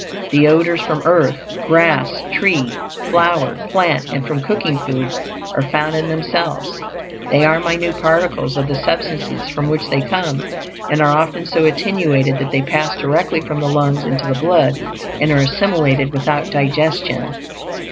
The odors from earth, grass, tree, flower, plant, and from cooking foods are foods in themselves; they are minute particles of the substances from which they come, and are often so attenuated that they pass directly from the lungs into the blood, and are assimilated without digestion.